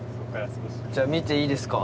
じゃあ見ていいですか？